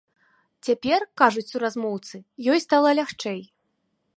Цяпер, кажуць суразмоўцы, ёй стала лягчэй.